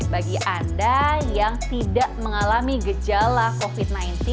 bagi anda yang tidak mengalami gejala covid sembilan belas